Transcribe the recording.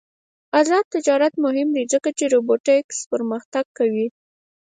آزاد تجارت مهم دی ځکه چې روبوټکس پرمختګ کوي.